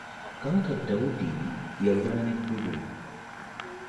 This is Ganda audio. Kabaka Dawuddi yalwana ne ddubu .